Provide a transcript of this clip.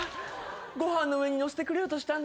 ご飯の上に載せてくれようとしたんだわ。